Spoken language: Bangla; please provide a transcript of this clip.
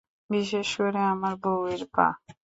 বিশেষ করে, আমার বউয়ের পা।